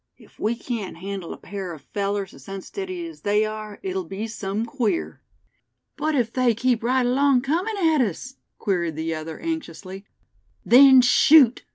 If we can't handle a pair of fellers as unsteady as they are, it'll be some queer." "But if they keep right along comin' at us?" queried the other, anxiously. "Then shoot!"